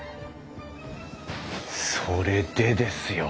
それでですよ。